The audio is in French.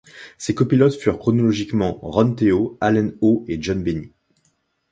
Ses copilotes furent chronologiquement Ron Teoh, Allen Oh, et John Bennie.